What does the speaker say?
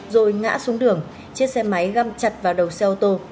rồi ngã xuống đường chiếc xe máy găm chặt vào đầu xe ô tô